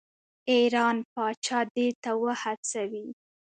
ایران پاچا دې ته وهڅوي.